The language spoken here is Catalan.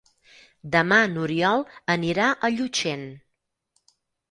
Demà n'Oriol anirà a Llutxent.